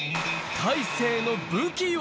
大勢の武器は。